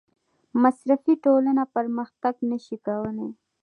مصرفي ټولنه پرمختګ نشي کولی.